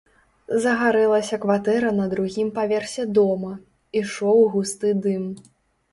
Загарэлася кватэра на другім паверсе дома, ішоў густы дым.